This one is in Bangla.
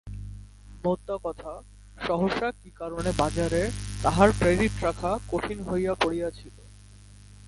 মোদ্দা কথা, সহসা কী কারণে বাজারে তাহার ক্রেডিট রাখা কঠিন হইয়া পড়িয়াছিল।